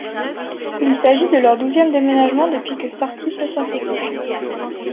Il s'agit de leur douzième déménagement depuis que Sarty peut s'en souvenir.